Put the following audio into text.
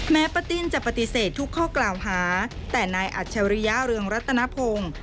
ป้าติ้นจะปฏิเสธทุกข้อกล่าวหาแต่นายอัจฉริยะเรืองรัตนพงศ์